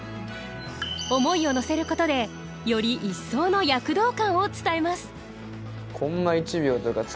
思いをのせることでより一層の躍動感を伝えます